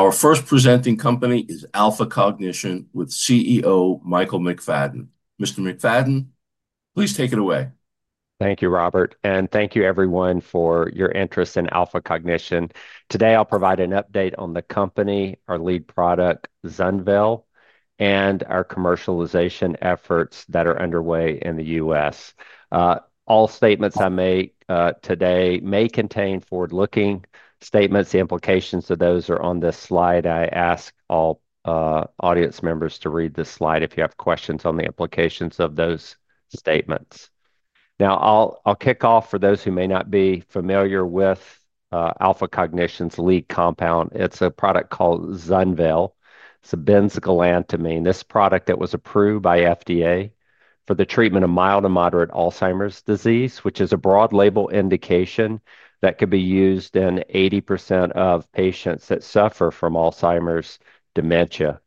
Our first presenting company is Alpha Cognition with CEO Michael McFadden. Mr. McFadden, please take it away. Thank you, Robert, and thank you everyone for your interest in Alpha Cognition. Today, I'll provide an update on the company, our lead product, ZUNVEYL, and our commercialization efforts that are underway in the U.S. All statements I make today may contain forward-looking statements. The implications of those are on this slide, and I ask all audience members to read this slide if you have questions on the implications of those statements. Now, I'll kick off. For those who may not be familiar with Alpha Cognition's lead compound, it's a product called ZUNVEYL. It's a benzgalantamine, this product that was approved by the FDA for the treatment of mild to moderate Alzheimer's disease, which is a broad label indication that could be used in 80% of patients that suffer from Alzheimer's dementia.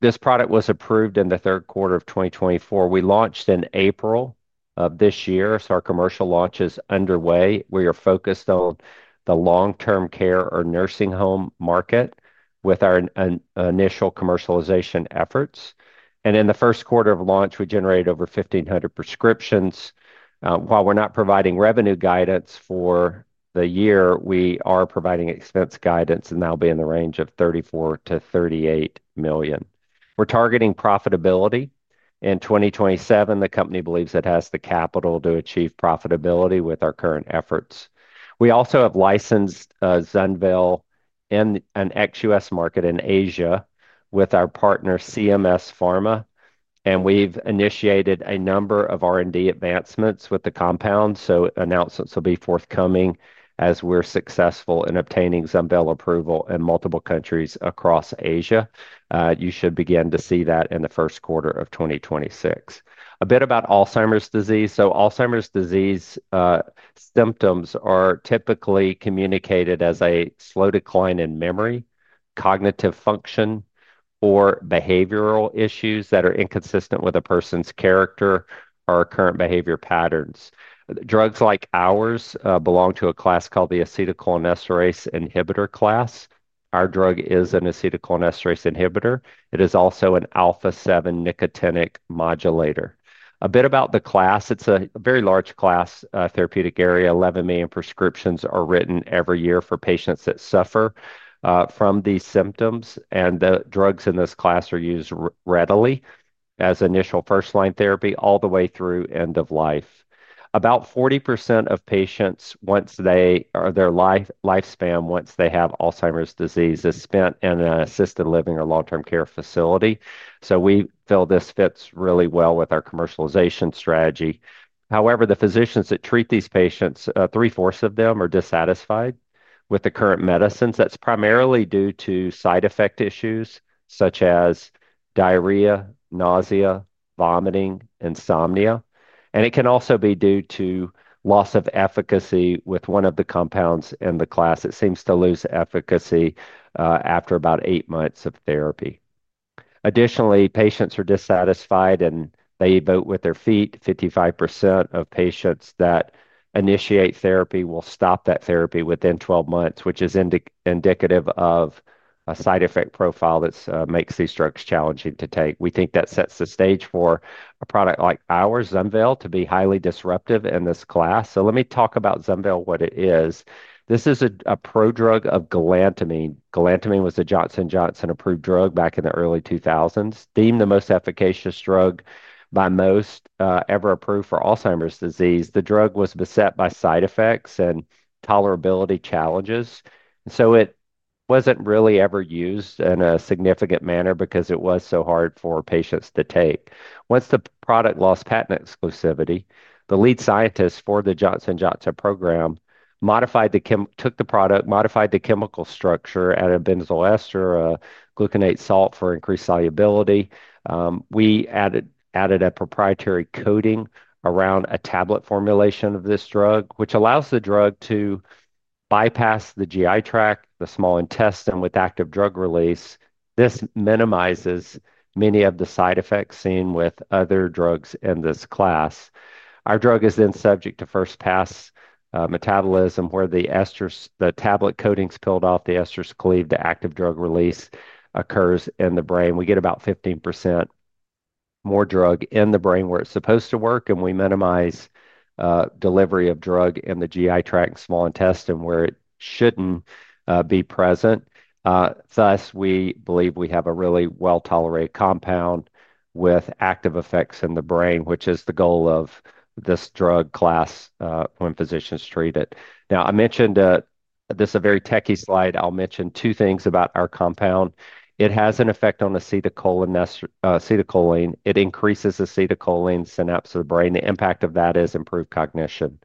This product was approved in the third quarter of 2024. We launched in April of this year, so our commercial launch is underway. We are focused on the long-term care or nursing home market with our initial commercialization efforts. In the first quarter of launch, we generated over 1,500 prescriptions. While we're not providing revenue guidance for the year, we are providing expense guidance, and that'll be in the range of $34 million-$38 million. We're targeting profitability in 2027. The company believes it has the capital to achieve profitability with our current efforts. We also have licensed ZUNVEYL in an ex-U.S. market in Asia with our partner CMS Pharma, and we've initiated a number of R&D advancements with the compound. Announcements will be forthcoming as we're successful in obtaining ZUNVEYL approval in multiple countries across Asia. You should begin to see that in the first quarter of 2026. A bit about Alzheimer's disease. Alzheimer's disease symptoms are typically communicated as a slow decline in memory, cognitive function, or behavioral issues that are inconsistent with a person's character or current behavior patterns. Drugs like ours belong to a class called the acetylcholinesterase inhibitor class. Our drug is an acetylcholinesterase inhibitor. It is also an α7 nicotinic modulator. A bit about the class. It's a very large class therapeutic area. Levy and prescriptions are written every year for patients that suffer from these symptoms, and the drugs in this class are used readily as initial first-line therapy all the way through end of life. About 40% of patients, once they are their lifespan, once they have Alzheimer's disease, is spent in an assisted living or long-term care facility. We feel this fits really well with our commercialization strategy. However, the physicians that treat these patients, three-fourths of them are dissatisfied with the current medicines. That's primarily due to side effect issues such as diarrhea, nausea, vomiting, insomnia, and it can also be due to loss of efficacy with one of the compounds in the class. It seems to lose efficacy after about eight months of therapy. Additionally, patients are dissatisfied and they vote with their feet. 55% of patients that initiate therapy will stop that therapy within 12 months, which is indicative of a side effect profile that makes these drugs challenging to take. We think that sets the stage for a product like ours, ZUNVEYL, to be highly disruptive in this class. Let me talk about ZUNVEYL, what it is. This is a prodrug of galantamine. Galantamine was a Johnson & Johnson-approved drug back in the early 2000s, deemed the most efficacious drug by most ever approved for Alzheimer's disease. The drug was beset by side effects and tolerability challenges. It wasn't really ever used in a significant manner because it was so hard for patients to take. Once the product lost patent exclusivity, the lead scientists for the Johnson & Johnson program modified the chemical structure and added benzoyl ester or gluconate salt for increased solubility. We added a proprietary coating around a tablet formulation of this drug, which allows the drug to bypass the GI tract, the small intestine, with active drug release. This minimizes many of the side effects seen with other drugs in this class. Our drug is then subject to first pass metabolism where the tablet coating is filled out, the esters lead to active drug release occurs in the brain. We get about 15% more drug in the brain where it's supposed to work, and we minimize delivery of drug in the GI tract and small intestine where it shouldn't be present. Thus, we believe we have a really well-tolerated compound with active effects in the brain, which is the goal of this drug class when physicians treat it. Now, I mentioned this is a very techy slide. I'll mention two things about our compound. It has an effect on acetylcholine. It increases acetylcholine synapse of the brain. The impact of that is improved cognition.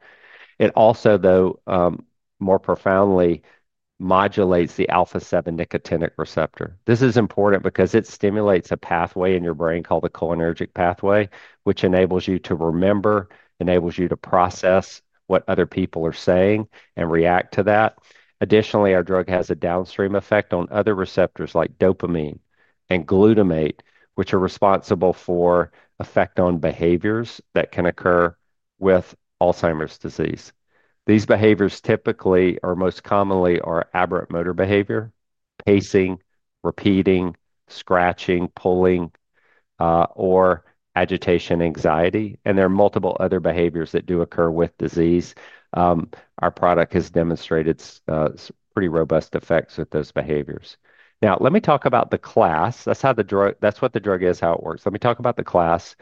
It also, though, more profoundly modulates the α7 nicotinic receptor. This is important because it stimulates a pathway in your brain called the cholinergic pathway, which enables you to remember, enables you to process what other people are saying, and react to that. Additionally, our drug has a downstream effect on other receptors like dopamine and glutamate, which are responsible for effect on behaviors that can occur with Alzheimer's disease. These behaviors typically are most commonly aberrant motor behavior: pacing, repeating, scratching, pulling, or agitation, anxiety. There are multiple other behaviors that do occur with disease. Our product has demonstrated pretty robust effects with those behaviors. Now, let me talk about the class. That's how the drug, that's what the drug is, how it works. Let me talk about the class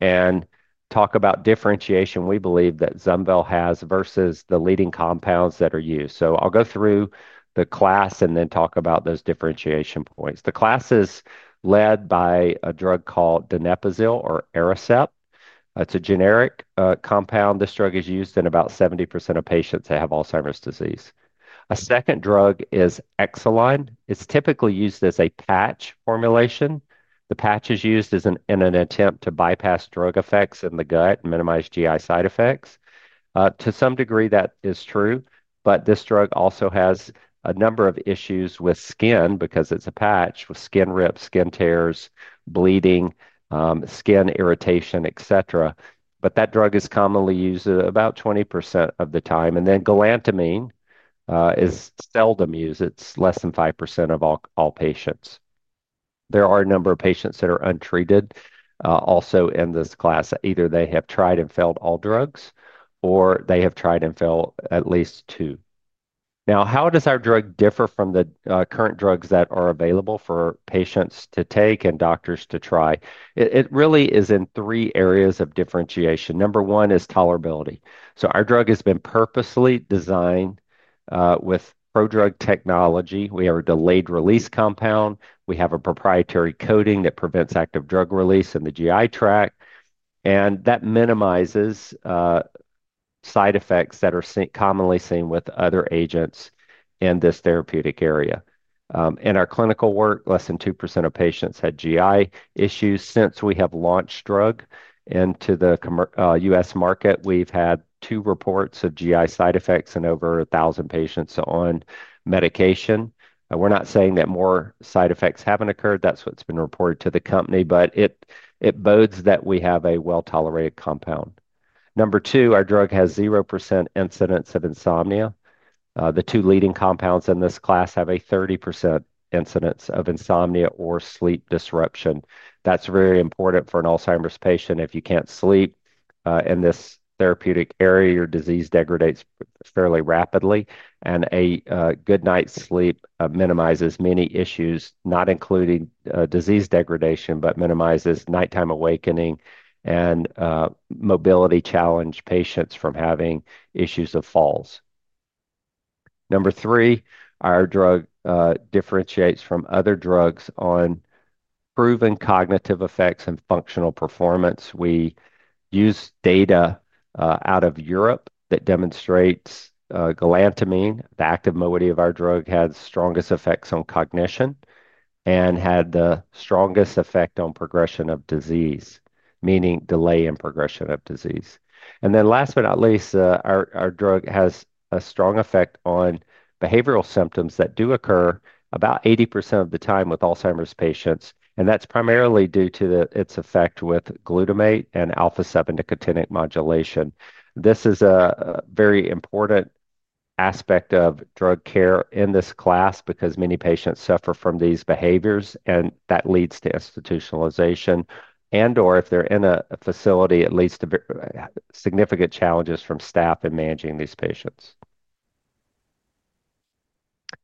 and talk about differentiation. We believe that ZUNVEYL has versus the leading compounds that are used. I'll go through the class and then talk about those differentiation points. The class is led by a drug called donepezil or ARICEPT. It's a generic compound. This drug is used in about 70% of patients that have Alzheimer's disease. A second drug is Exelon. It's typically used as a patch formulation. The patch is used in an attempt to bypass drug effects in the gut and minimize GI side effects. To some degree, that is true, but this drug also has a number of issues with skin because it's a patch with skin rips, skin tears, bleeding, skin irritation, etc. That drug is commonly used about 20% of the time. Then galantamine is seldom used. It's less than 5% of all patients. There are a number of patients that are untreated, also in this class. Either they have tried and failed all drugs, or they have tried and failed at least two. Now, how does our drug differ from the current drugs that are available for patients to take and doctors to try? It really is in three areas of differentiation. Number one is tolerability. Our drug has been purposely designed with prodrug technology. We have a delayed-release compound. We have a proprietary coating that prevents active drug release in the GI tract, and that minimizes side effects that are commonly seen with other agents in this therapeutic area. In our clinical work, less than 2% of patients had GI issues. Since we have launched the drug into the U.S. market, we've had two reports of GI side effects in over 1,000 patients on medication. We're not saying that more side effects haven't occurred. That's what's been reported to the company, but it bodes that we have a well-tolerated compound. Number two, our drug has 0% incidence of insomnia. The two leading compounds in this class have a 30% incidence of insomnia or sleep disruption. That's very important for an Alzheimer's patient. If you can't sleep in this therapeutic area, your disease degradates fairly rapidly, and a good night's sleep minimizes many issues, not including disease degradation, but minimizes nighttime awakening and mobility challenge patients from having issues of falls. Number three, our drug differentiates from other drugs on proven cognitive effects and functional performance. We use data out of Europe that demonstrates galantamine, the active modality of our drug, has strongest effects on cognition and had the strongest effect on progression of disease, meaning delay in progression of disease. Last but not least, our drug has a strong effect on behavioral symptoms that do occur about 80% of the time with Alzheimer's patients, and that's primarily due to its effect with glutamate and α7 nicotinic modulation. This is a very important aspect of drug care in this class because many patients suffer from these behaviors, and that leads to institutionalization, and/or if they're in a facility, it leads to significant challenges from staff in managing these patients.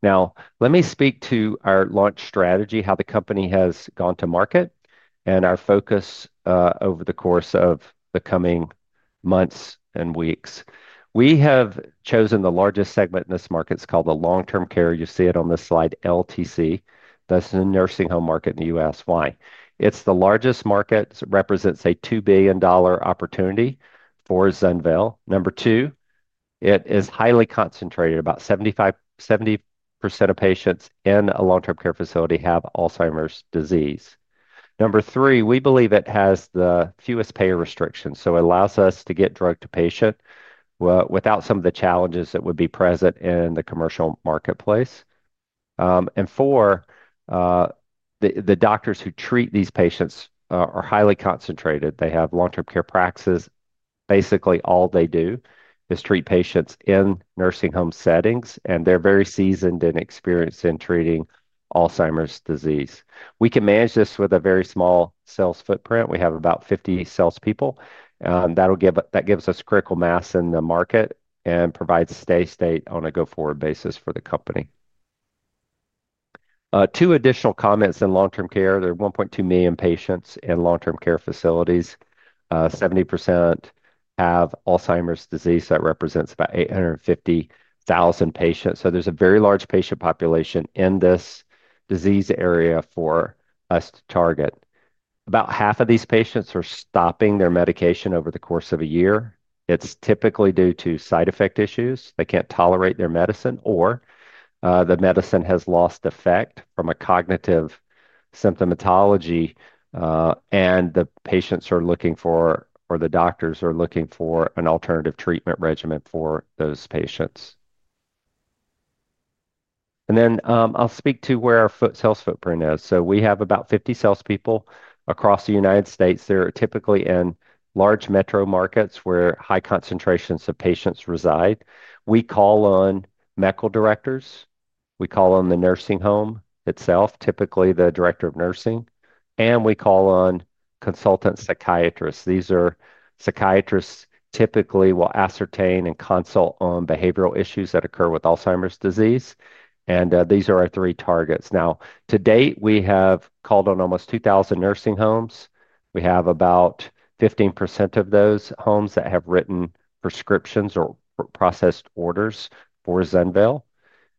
Now, let me speak to our launch strategy, how the company has gone to market, and our focus over the course of the coming months and weeks. We have chosen the largest segment in this market. It's called the long-term care. You see it on this slide, LTC. That's the nursing home market in the U.S. Why? It's the largest market. It represents a $2 billion opportunity for ZUNVEYL. Number two, it is highly concentrated. About 75% of patients in a long-term care facility have Alzheimer's disease. Number three, we believe it has the fewest payer restrictions, so it allows us to get drug to patient without some of the challenges that would be present in the commercial marketplace. Four, the doctors who treat these patients are highly concentrated. They have long-term care practices. Basically, all they do is treat patients in nursing home settings, and they're very seasoned and experienced in treating Alzheimer's disease. We can manage this with a very small sales footprint. We have about 50 salespeople. That gives us critical mass in the market and provides stay state on a go-forward basis for the company. Two additional comments in long-term care. There are 1.2 million patients in long-term care facilities. 70% have Alzheimer's disease. That represents about 850,000 patients. There's a very large patient population in this disease area for us to target. About half of these patients are stopping their medication over the course of a year. It's typically due to side effect issues. They can't tolerate their medicine or the medicine has lost effect from a cognitive symptomatology, and the patients are looking for, or the doctors are looking for, an alternative treatment regimen for those patients. I'll speak to where our sales footprint is. We have about 50 salespeople across the United States. They're typically in large metro markets where high concentrations of patients reside. We call on medical directors. We call on the nursing home itself, typically the Director of Nursing, and we call on consultant psychiatrists. These are psychiatrists who typically will ascertain and consult on behavioral issues that occur with Alzheimer's disease. These are our three targets. To date, we have called on almost 2,000 nursing homes. We have about 15% of those homes that have written prescriptions or processed orders for ZUNVEYL.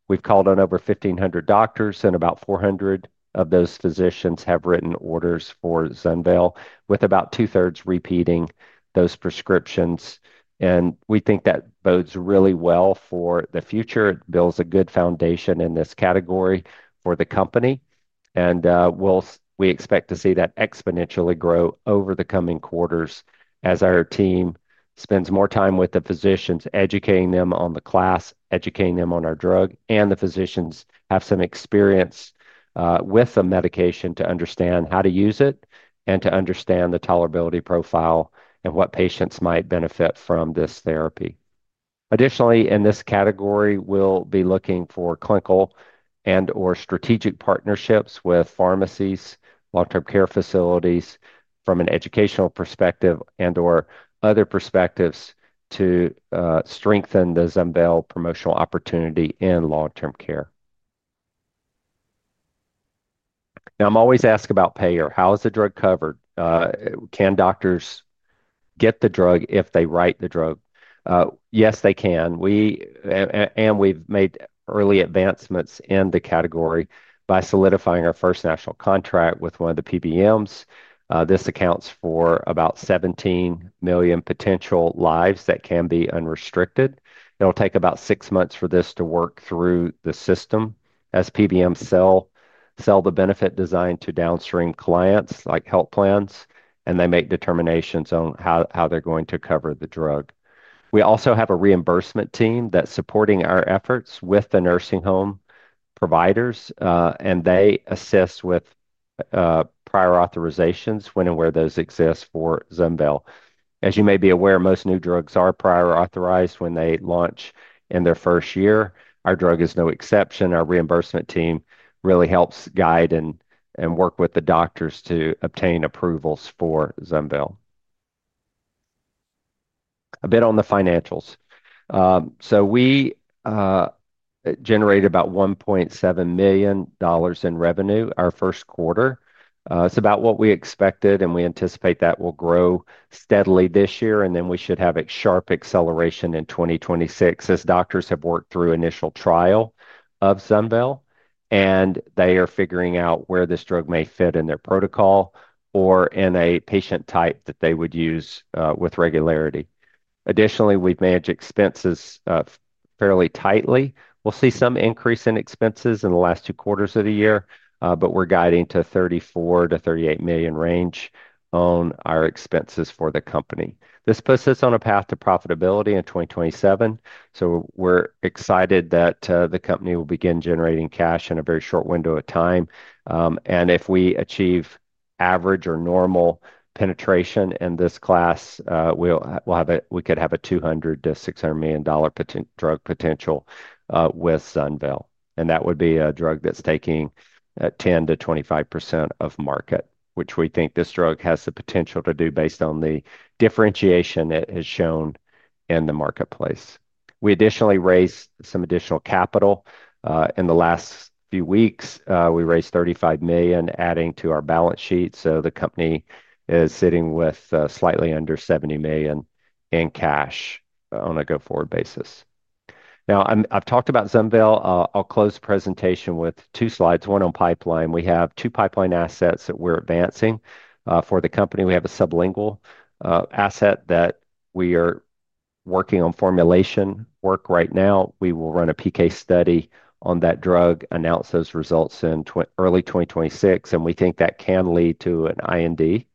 We've called on over 1,500 doctors, and about 400 of those physicians have written orders for ZUNVEYL, with about two-thirds repeating those prescriptions. We think that bodes really well for the future. It builds a good foundation in this category for the company. We expect to see that exponentially grow over the coming quarters as our team spends more time with the physicians, educating them on the class, educating them on our drug, and the physicians have some experience with the medication to understand how to use it and to understand the tolerability profile and what patients might benefit from this therapy. Additionally, in this category, we'll be looking for clinical and/or strategic partnerships with pharmacies, long-term care facilities from an educational perspective and/or other perspectives to strengthen the ZUNVEYL promotional opportunity in long-term care. I'm always asked about payer. How is the drug covered? Can doctors get the drug if they write the drug? Yes, they can. We've made early advancements in the category by solidifying our first national contract with one of the PBMs. This accounts for about 17 million potential lives that can be unrestricted. It'll take about six months for this to work through the system as PBMs sell the benefit designed to downstream clients like health plans, and they make determinations on how they're going to cover the drug. We also have a reimbursement team that's supporting our efforts with the nursing home providers, and they assist with prior authorizations when and where those exist for ZUNVEYL. As you may be aware, most new drugs are prior authorized when they launch in their first year. Our drug is no exception. Our reimbursement team really helps guide and work with the doctors to obtain approvals for ZUNVEYL. A bit on the financials. We generated about $1.7 million in revenue our first quarter. It's about what we expected, and we anticipate that will grow steadily this year. We should have a sharp acceleration in 2026 as doctors have worked through the initial trial of ZUNVEYL, and they are figuring out where this drug may fit in their protocol or in a patient type that they would use with regularity. Additionally, we've managed expenses fairly tightly. We'll see some increase in expenses in the last two quarters of the year, but we're guiding to $34 million-$38 million range on our expenses for the company. This puts us on a path to profitability in 2027. We're excited that the company will begin generating cash in a very short window of time. If we achieve average or normal penetration in this class, we could have a $200 million-$600 million drug potential with ZUNVEYL. That would be a drug that's taking 10%-25% of market, which we think this drug has the potential to do based on the differentiation it has shown in the marketplace. We additionally raised some additional capital in the last few weeks. We raised $35 million, adding to our balance sheet. The company is sitting with slightly under $70 million in cash on a go-forward basis. Now, I've talked about ZUNVEYL. I'll close the presentation with two slides, one on pipeline. We have two pipeline assets that we're advancing for the company. We have a sublingual asset that we are working on formulation work right now. We will run a PK study on that drug, announce those results in early 2026. We think that can lead to an IND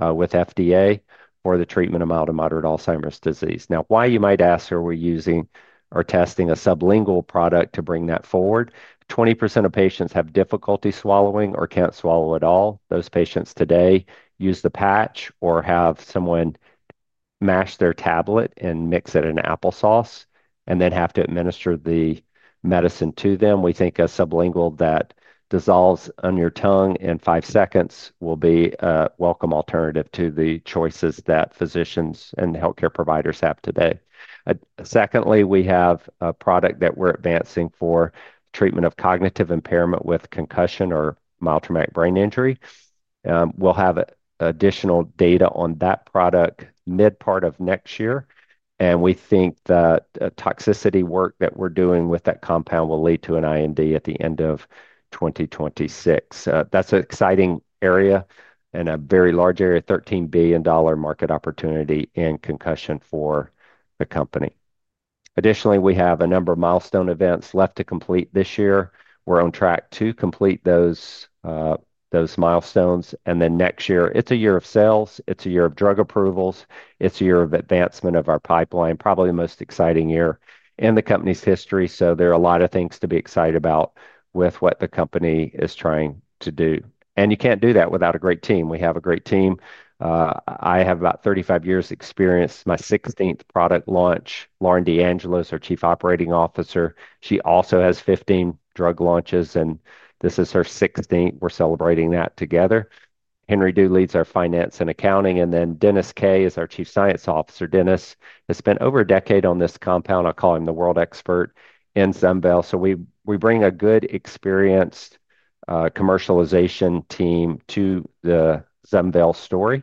with FDA for the treatment of mild to moderate Alzheimer's disease. Now, why you might ask, are we using or testing a sublingual product to bring that forward? 20% of patients have difficulty swallowing or can't swallow at all. Those patients today use the patch or have someone mash their tablet and mix it in applesauce and then have to administer the medicine to them. We think a sublingual that dissolves on your tongue in five seconds will be a welcome alternative to the choices that physicians and healthcare providers have today. Secondly, we have a product that we're advancing for treatment of cognitive impairment with concussion or mild traumatic brain injury. We'll have additional data on that product mid-part of next year. We think that toxicity work that we're doing with that compound will lead to an IND at the end of 2026. That's an exciting area and a very large area, $13 billion market opportunity in concussion for the company. Additionally, we have a number of milestone events left to complete this year. We're on track to complete those milestones. Next year, it's a year of sales, it's a year of drug approvals, it's a year of advancement of our pipeline, probably the most exciting year in the company's history. There are a lot of things to be excited about with what the company is trying to do. You can't do that without a great team. We have a great team. I have about 35 years of experience. My 16th product launch, Lauren D'Angelo, is our Chief Operating Officer. She also has 15 drug launches, and this is her 16th. We're celebrating that together. Henry Du leads our finance and accounting, and then Denis Kay is our Chief Science Officer. Denis has spent over a decade on this compound. I call him the world expert in ZUNVEYL. We bring a good experienced commercialization team to the ZUNVEYL story,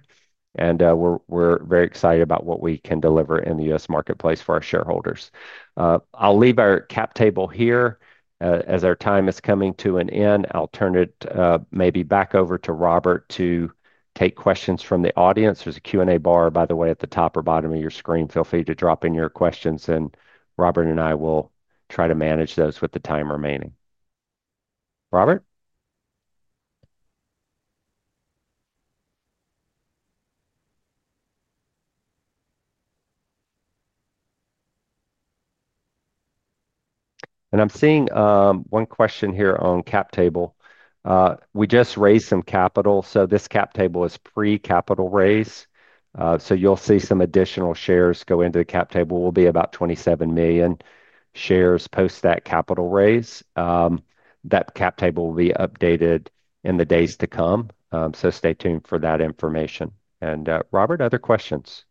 and we're very excited about what we can deliver in the US marketplace for our shareholders. I'll leave our cap table here as our time is coming to an end. I'll turn it maybe back over to Robert to take questions from the audience. There's a Q&A bar, by the way, at the top or bottom of your screen. Feel free to drop in your questions, and Robert and I will try to manage those with the time remaining. Robert? I'm seeing one question here on cap table. We just raised some capital. This cap table is pre-capital raise. You'll see some additional shares go into the cap table. It will be about 27 million shares post that capital raise. That cap table will be updated in the days to come. Stay tuned for that information. Robert, other questions?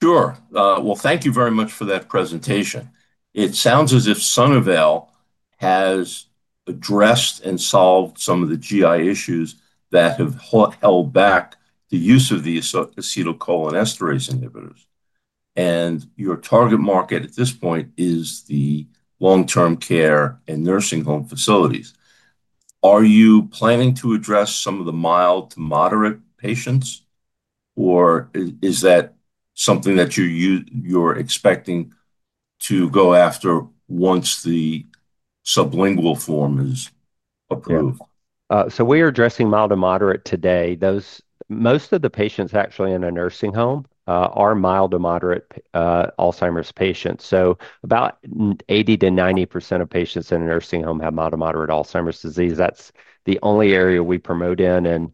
Thank you very much for that presentation. It sounds as if ZUNVEYL has addressed and solved some of the GI issues that have held back the use of these acetylcholinesterase inhibitors. Your target market at this point is the long-term care and nursing home facilities. Are you planning to address some of the mild to moderate patients, or is that something that you're expecting to go after once the sublingual form is approved? We are addressing mild to moderate today. Most of the patients actually in a nursing home are mild to moderate Alzheimer's patients. About 80%-90% of patients in a nursing home have mild to moderate Alzheimer's disease. That's the only area we promote in,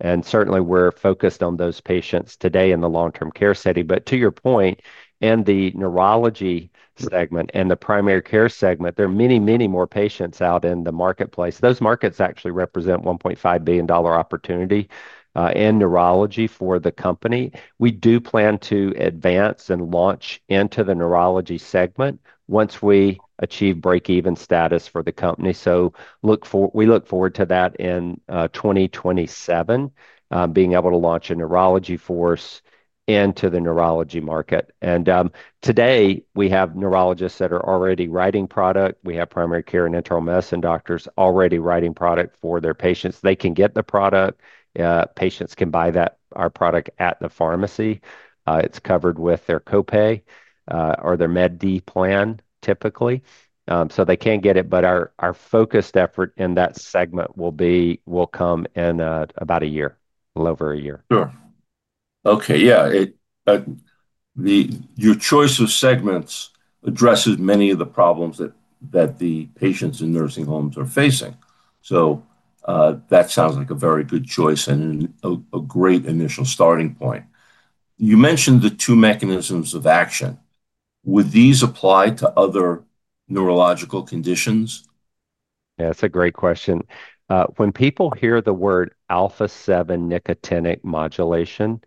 and certainly we're focused on those patients today in the long-term care setting. To your point, in the neurology segment and the primary care segment, there are many, many more patients out in the marketplace. Those markets actually represent a $1.5 billion opportunity in neurology for the company. We do plan to advance and launch into the neurology segment once we achieve break-even status for the company. We look forward to that in 2027, being able to launch a neurology force into the neurology market. Today, we have neurologists that are already writing product. We have primary care and internal medicine doctors already writing product for their patients. They can get the product. Patients can buy our product at the pharmacy. It's covered with their Copay or their MedD plan typically. They can get it, but our focused effort in that segment will come in about a year, a little over a year. Sure. Okay. Your choice of segments addresses many of the problems that the patients in nursing homes are facing. That sounds like a very good choice and a great initial starting point. You mentioned the two mechanisms of action. Would these apply to other neurological conditions? Yeah, that's a great question. When people hear the word α7 nicotinic modulation,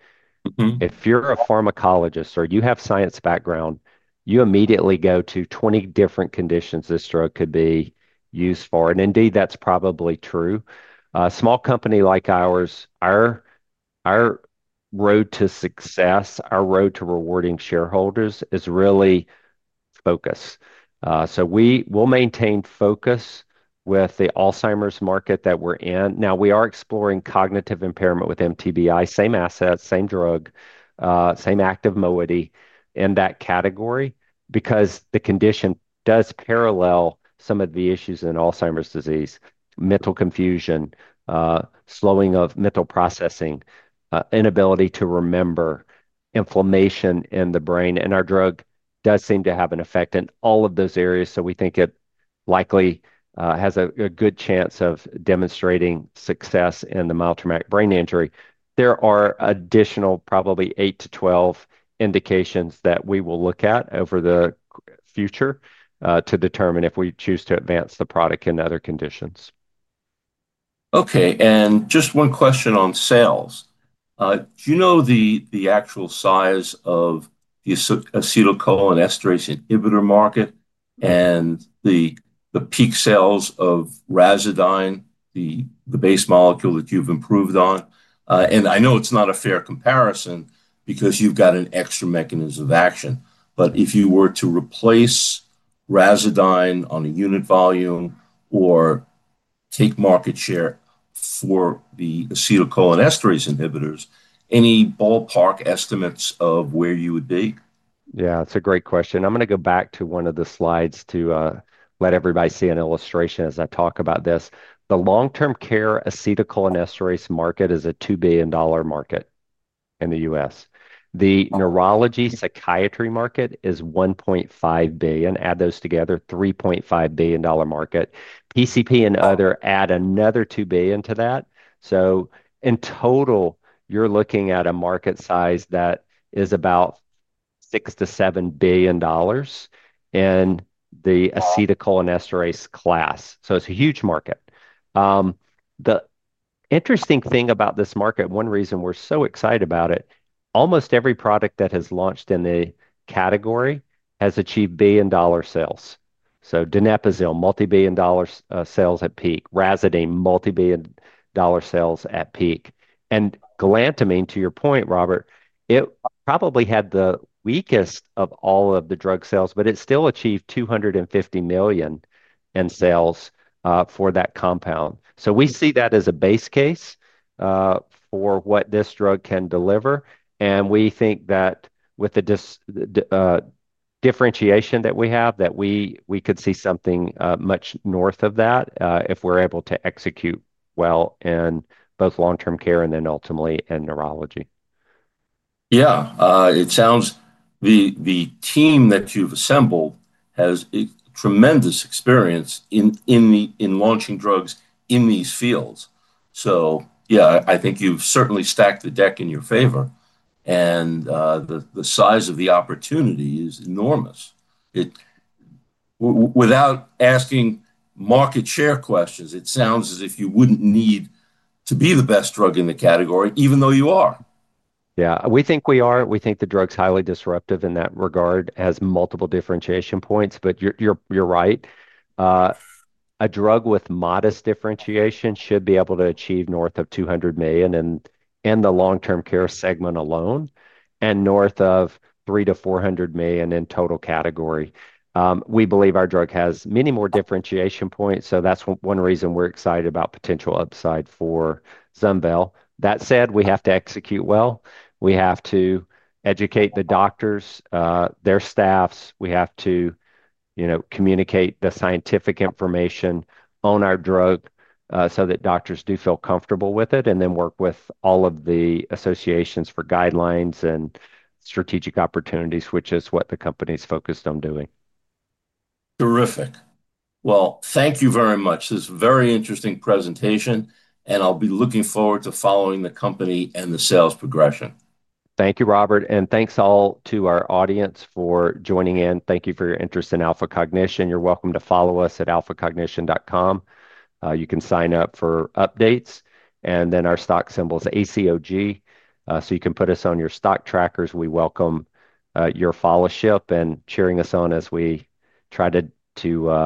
if you're a pharmacologist or you have a science background, you immediately go to 20 different conditions this drug could be used for. Indeed, that's probably true. A small company like ours, our road to success, our road to rewarding shareholders is really focused. We will maintain focus with the Alzheimer's market that we're in. We are exploring cognitive impairment with mild traumatic brain injury, same assets, same drug, same active modality in that category because the condition does parallel some of the issues in Alzheimer's disease: mental confusion, slowing of mental processing, inability to remember, inflammation in the brain. Our drug does seem to have an effect in all of those areas. We think it likely has a good chance of demonstrating success in the mild traumatic brain injury. There are additional probably 8-12 indications that we will look at over the future to determine if we choose to advance the product in other conditions. Okay. Just one question on sales. Do you know the actual size of the acetylcholinesterase inhibitor market and the peak sales of Razadyne, the base molecule that you've improved on? I know it's not a fair comparison because you've got an extra mechanism of action. If you were to replace Razadyne on a unit volume or take market share for the acetylcholinesterase inhibitors, any ballpark estimates of where you would be? Yeah, that's a great question. I'm going to go back to one of the slides to let everybody see an illustration as I talk about this. The long-term care acetylcholinesterase inhibitor market is a $2 billion market in the U.S. The neurology psychiatry market is $1.5 billion. Add those together, $3.5 billion market. PCP and other add another $2 billion to that. In total, you're looking at a market size that is about $6 billion-$7 billion in the acetylcholinesterase inhibitor class. It's a huge market. The interesting thing about this market, one reason we're so excited about it, almost every product that has launched in the category has achieved billion-dollar sales. Donepezil, multi-billion-dollar sales at peak, Razadyne, multi-billion-dollar sales at peak. Galantamine, to your point, Robert, it probably had the weakest of all of the drug sales, but it still achieved $250 million in sales for that compound. We see that as a base case for what this drug can deliver. We think that with the differentiation that we have, we could see something much north of that if we're able to execute well in both long-term care and ultimately in neurology. It sounds the team that you've assembled has tremendous experience in launching drugs in these fields. I think you've certainly stacked the deck in your favor. The size of the opportunity is enormous. Without asking market share questions, it sounds as if you wouldn't need to be the best drug in the category, even though you are. Yeah, we think we are. We think the drug's highly disruptive in that regard as multiple differentiation points. You're right. A drug with modest differentiation should be able to achieve north of $200 million in the long-term care segment alone and north of $300 million-$400 million in total category. We believe our drug has many more differentiation points. That's one reason we're excited about potential upside for ZUNVEYL. That said, we have to execute well. We have to educate the doctors, their staffs. We have to communicate the scientific information on our drug so that doctors do feel comfortable with it and then work with all of the associations for guidelines and strategic opportunities, which is what the company's focused on doing. Terrific. Thank you very much. This is a very interesting presentation, and I'll be looking forward to following the company and the sales progression. Thank you, Robert. Thanks to our audience for joining in. Thank you for your interest in Alpha Cognition. You're welcome to follow us at alphacognition.com. You can sign up for updates. Our stock symbol is ACOG, so you can put us on your stock trackers. We welcome your followership and cheering us on as we try to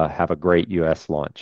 have a great US launch.